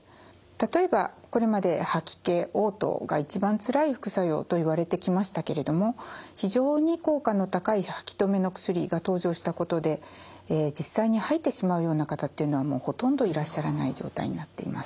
例えばこれまで吐き気おう吐が一番つらい副作用といわれてきましたけれども非常に効果の高い吐き気止めの薬が登場したことで実際に吐いてしまうような方っていうのはもうほとんどいらっしゃらない状態になっています。